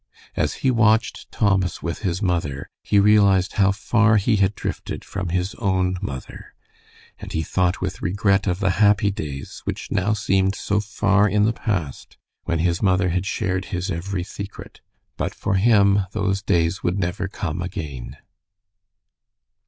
As he watched Thomas with his mother, he realized how far he had drifted from his own mother, and he thought with regret of the happy days, which now seemed so far in the past, when his mother had shared his every secret. But for him those days could never come again.